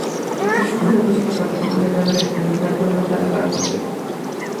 El supuesto depósito partió de una nave rectangular con una sala para conciertos.